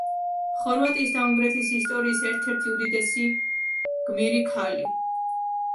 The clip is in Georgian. ხორვატიის და უნგრეთის ისტორიის ერთ-ერთი უდიდესი გმირი ქალი.